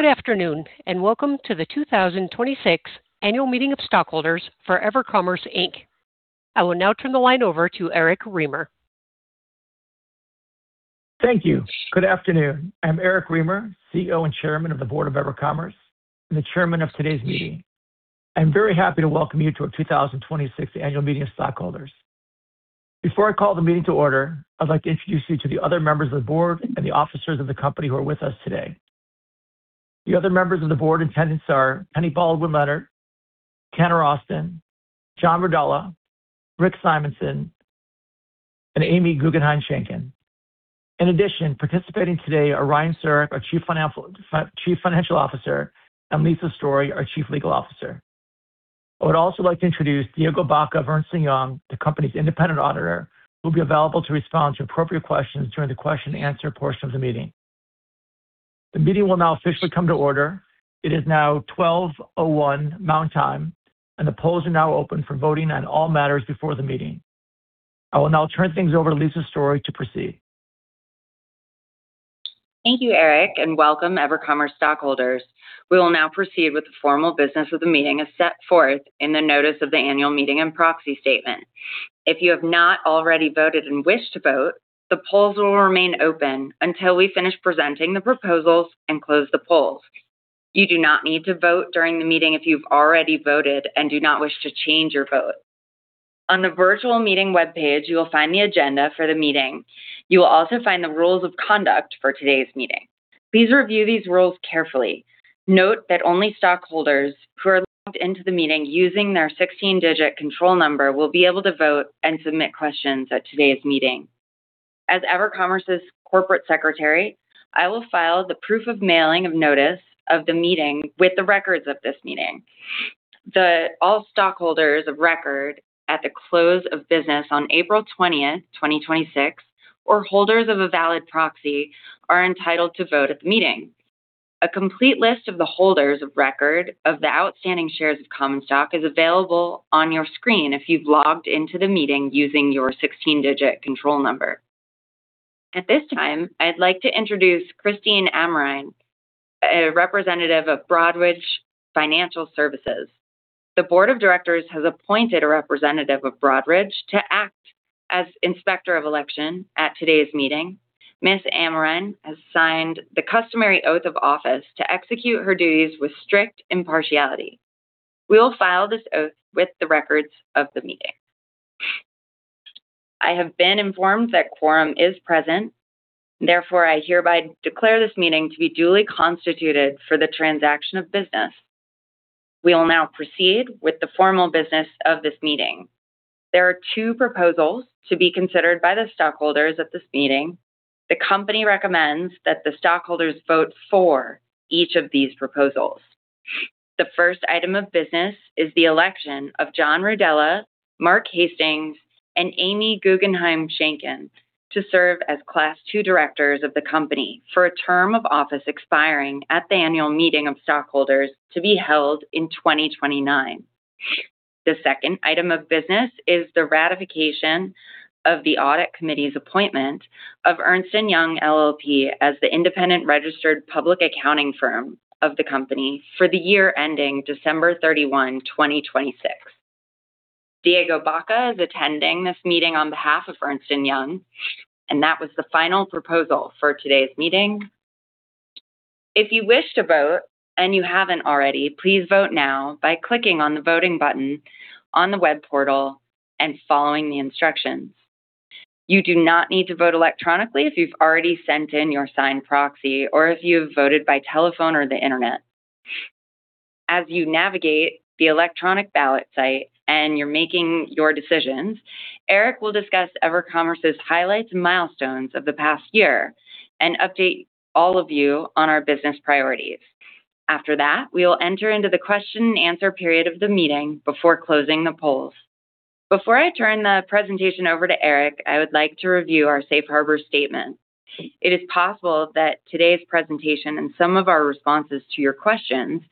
Good afternoon, welcome to the 2026 Annual Meeting of Stockholders for EverCommerce Inc. I will now turn the line over to Eric Remer. Thank you. Good afternoon. I'm Eric Remer, CEO and Chairman of the Board of EverCommerce, and the chairman of today's meeting. I'm very happy to welcome you to our 2026 Annual Meeting of Stockholders. Before I call the meeting to order, I'd like to introduce you to the other Members of the Board and the officers of the company who are with us today. The other members of the board in attendance are Penny Baldwin-Leonard, Tanner Austin, John Rudella, Rick Simonson, and Amy Guggenheim Shenkan. In addition, participating today are Ryan Siurek, our Chief Financial Officer, and Lisa Storey, our Chief Legal Officer. I would also like to introduce Diego Baca of Ernst & Young, the company's independent auditor, who will be available to respond to appropriate questions during the question and answer portion of the meeting. The meeting will now officially come to order. It is now 12:01 Mountain Time, the polls are now open for voting on all matters before the meeting. I will now turn things over to Lisa Storey to proceed. Thank you, Eric, welcome EverCommerce stockholders. We will now proceed with the formal business of the meeting as set forth in the notice of the annual meeting and proxy statement. If you have not already voted and wish to vote, the polls will remain open until we finish presenting the proposals and close the polls. You do not need to vote during the meeting if you've already voted and do not wish to change your vote. On the virtual meeting webpage, you will find the agenda for the meeting. You will also find the rules of conduct for today's meeting. Please review these rules carefully. Note that only stockholders who are logged into the meeting using their 16-digit control number will be able to vote and submit questions at today's meeting. As EverCommerce's corporate secretary, I will file the proof of mailing of notice of the meeting with the records of this meeting. All stockholders of record at the close of business on April 20th, 2026, or holders of a valid proxy are entitled to vote at the meeting. A complete list of the holders of record of the outstanding shares of common stock is available on your screen if you've logged into the meeting using your 16-digit control number. At this time, I'd like to introduce Christine Amerine, a representative of Broadridge Financial Services. The Board of Directors has appointed a representative of Broadridge to act as Inspector of Election at today's meeting. Ms. Amerine has signed the customary oath of office to execute her duties with strict impartiality. We will file this oath with the records of the meeting. I have been informed that quorum is present, therefore, I hereby declare this meeting to be duly constituted for the transaction of business. We will now proceed with the formal business of this meeting. There are two proposals to be considered by the stockholders at this meeting. The company recommends that the stockholders vote for each of these proposals. The first item of business is the election of John Rudella, Mark Hastings, and Amy Guggenheim Shenkan to serve as Class II Directors of the company for a term of office expiring at the annual meeting of stockholders to be held in 2029. The second item of business is the ratification of the audit committee's appointment of Ernst & Young LLP as the independent registered public accounting firm of the company for the year ending December 31, 2026. Diego Baca is attending this meeting on behalf of Ernst & Young. That was the final proposal for today's meeting. If you wish to vote, and you haven't already, please vote now by clicking on the voting button on the web portal and following the instructions. You do not need to vote electronically if you've already sent in your signed proxy or if you've voted by telephone or the internet. As you navigate the electronic ballot site and you're making your decisions, Eric will discuss EverCommerce's highlights and milestones of the past year and update all of you on our business priorities. After that, we will enter into the question and answer period of the meeting before closing the polls. Before I turn the presentation over to Eric, I would like to review our safe harbor statement. It is possible that today's presentation and some of our responses to your questions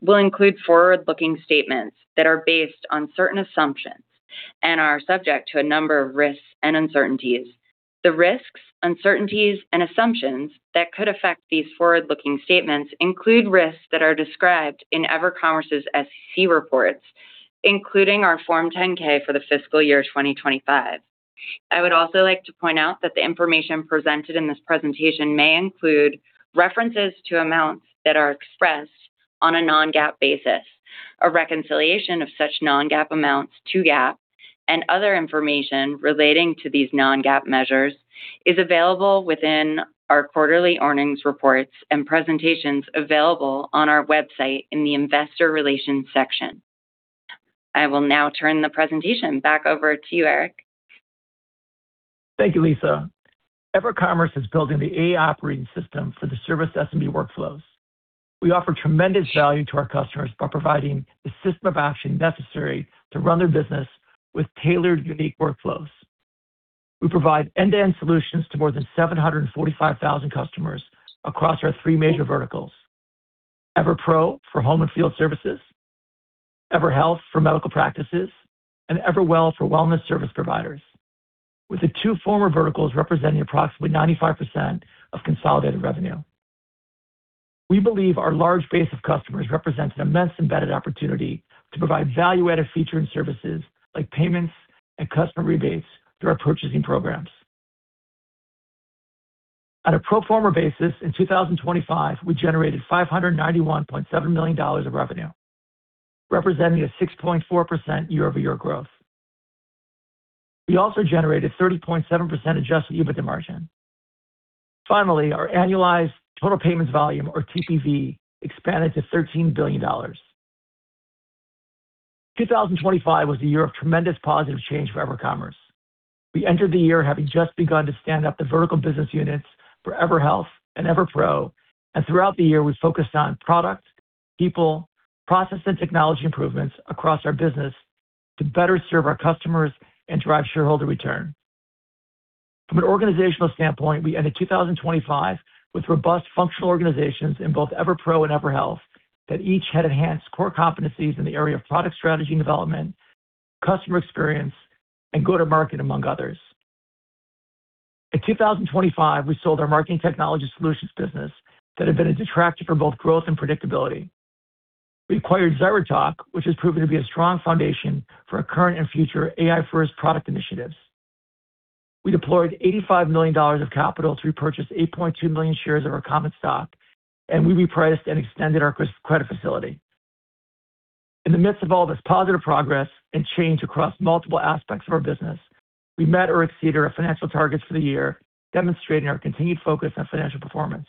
will include forward-looking statements that are based on certain assumptions and are subject to a number of risks and uncertainties. The risks, uncertainties, and assumptions that could affect these forward-looking statements include risks that are described in EverCommerce's SEC reports, including our Form 10-K for the fiscal year 2025. I would also like to point out that the information presented in this presentation may include references to amounts that are expressed on a non-GAAP basis. A reconciliation of such non-GAAP amounts to GAAP and other information relating to these non-GAAP measures is available within our quarterly earnings reports and presentations available on our website in the investor relations section. I will now turn the presentation back over to you, Eric. Thank you, Lisa. EverCommerce is building the A operating system for the service SMB workflows. We offer tremendous value to our customers by providing the system of action necessary to run their business with tailored, unique workflows. We provide end-to-end solutions to more than 745,000 customers across our three major verticals: EverPro for home and field services. EverHealth for medical practices, and EverWell for wellness service providers, with the two former verticals representing approximately 95% of consolidated revenue. We believe our large base of customers represents an immense embedded opportunity to provide value-added features and services like payments and customer rebates through our purchasing programs. On a pro forma basis in 2025, we generated $591.7 million of revenue, representing a 6.4% year-over-year growth. We also generated 30.7% adjusted EBITDA margin. Finally, our annualized total payments volume, or TPV, expanded to $13 billion. 2025 was the year of tremendous positive change for EverCommerce. We entered the year having just begun to stand up the vertical business units for EverHealth and EverPro. Throughout the year, we focused on product, people, process, and technology improvements across our business to better serve our customers and drive shareholder return. From an organizational standpoint, we ended 2025 with robust functional organizations in both EverPro and EverHealth that each had enhanced core competencies in the area of product strategy and development, customer experience, and go-to-market, among others. In 2025, we sold our marketing technology solutions business that had been a detractor for both growth and predictability. We acquired ZyraTalk, which has proven to be a strong foundation for our current and future AI-first product initiatives. We deployed $85 million of capital to repurchase 8.2 million shares of our common stock. We repriced and extended our credit facility. In the midst of all this positive progress and change across multiple aspects of our business, we met or exceeded our financial targets for the year, demonstrating our continued focus on financial performance.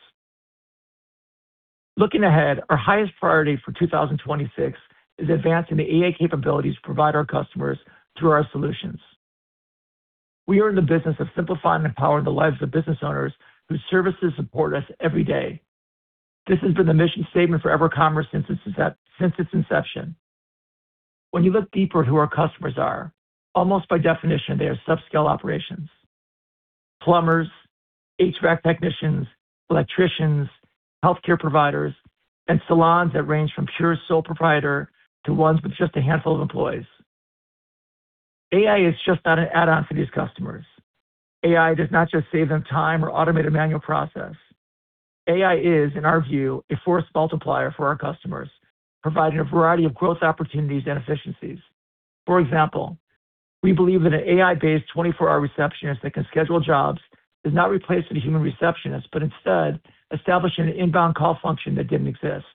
Looking ahead, our highest priority for 2026 is advancing the AI capabilities we provide our customers through our solutions. We are in the business of simplifying and empowering the lives of business owners whose services support us every day. This has been the mission statement for EverCommerce since its inception. When you look deeper at who our customers are, almost by definition, they are sub-scale operations. Plumbers, HVAC technicians, electricians, healthcare providers, and salons that range from pure sole proprietor to ones with just a handful of employees. AI is just not an add-on for these customers. AI does not just save them time or automate a manual process. AI is, in our view, a force multiplier for our customers, providing a variety of growth opportunities and efficiencies. For example, we believe that an AI-based 24-hour receptionist that can schedule jobs does not replace the human receptionist. Instead establishes an inbound call function that didn't exist.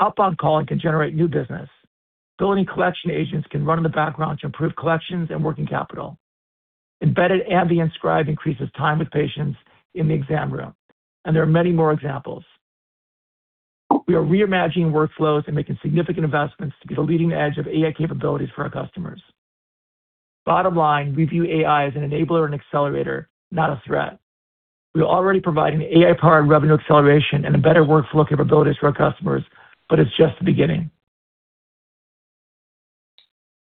Outbound calling can generate new business. Billing collection agents can run in the background to improve collections and working capital. Embedded ambient scribe increases time with patients in the exam room. There are many more examples. We are reimagining workflows and making significant investments to be the leading edge of AI capabilities for our customers. Bottom line, we view AI as an enabler and accelerator, not a threat. We already provide an AI-powered revenue acceleration and a better workflow capabilities for our customers, but it's just the beginning.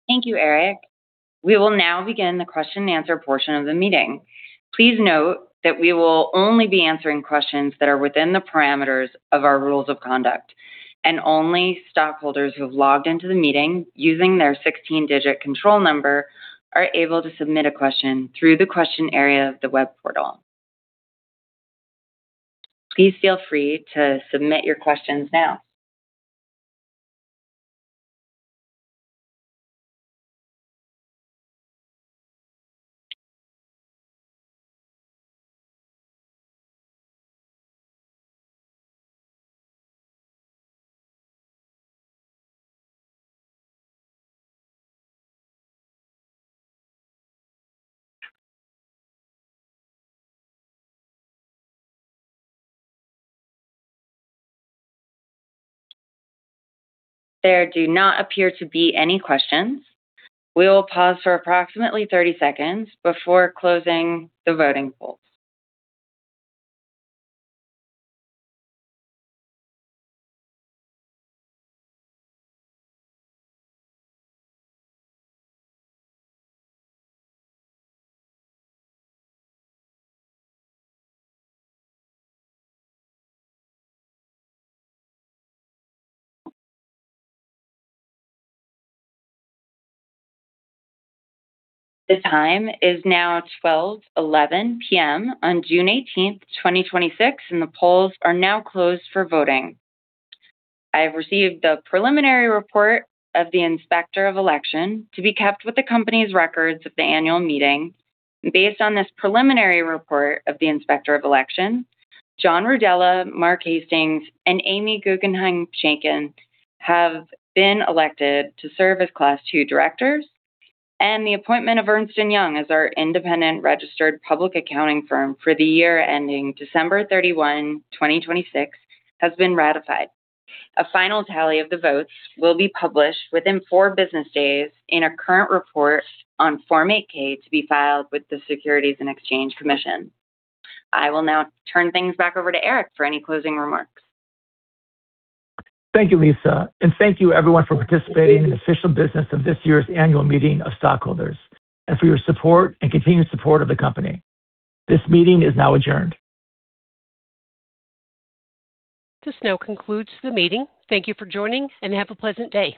Thank you, Eric. We will now begin the question and answer portion of the meeting. Please note that we will only be answering questions that are within the parameters of our rules of conduct, and only stockholders who have logged into the meeting using their 16-digit control number are able to submit a question through the question area of the web portal. Please feel free to submit your questions now. There do not appear to be any questions. We will pause for approximately 30 seconds before closing the voting polls. The time is now 12:11 P.M. on June 18th, 2026, and the polls are now closed for voting. I have received the preliminary report of the Inspector of Election to be kept with the company's records of the annual meeting. Based on this preliminary report of the Inspector of Election, John Rudella, Mark Hastings, and Amy Guggenheim Shenkan have been elected to serve as Class II directors, and the appointment of Ernst & Young as our independent registered public accounting firm for the year ending December 31, 2026, has been ratified. A final tally of the votes will be published within four business days in a current report on Form 8-K to be filed with the Securities and Exchange Commission. I will now turn things back over to Eric for any closing remarks. Thank you, Lisa. Thank you, everyone, for participating in the official business of this year's annual meeting of stockholders and for your support and continued support of the company. This meeting is now adjourned. This now concludes the meeting. Thank you for joining, and have a pleasant day.